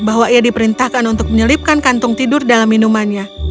bahwa ia diperintahkan untuk menyelipkan kantung tidur dalam minumannya